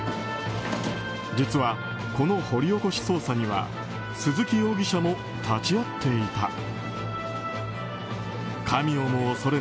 実は、この掘り起こし捜査には鈴木容疑者も立ち会っていた。